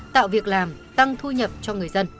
tạo việc làm tăng thu nhập cho người dân